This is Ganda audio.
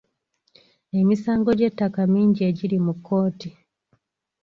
Emisango gy'ettaka mingi egiri mu kkooti.